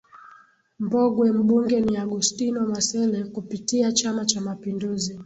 Mbogwe mbunge ni Augustino Masele kupitia Chama cha mapinduzi